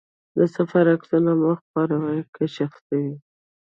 د سفر عکسونه مه خپره وه، که شخصي وي.